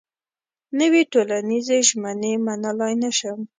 نوې ټولنيزې ژمنې منلای نه شم.